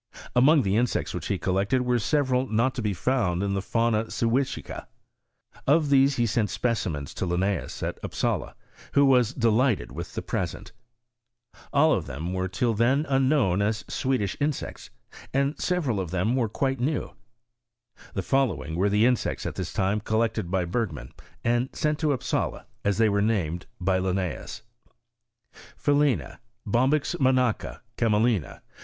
Among the insects which he collected were several aot to be found in the Fauna Suecica. Of these mAe sent specim, enB to Linnffius at Upsala, who was Blrfiehtcd with the present. All of them were till 30 HISTO&T OF CHEMmVT. then nnkiioini as Swedish insects, and serend of them were quite new. The following were the insects aft this time collected by Bergman, and sent to Upsala, as they were named by liimaeas : PhaUena. Bombyx monacha, cameKna.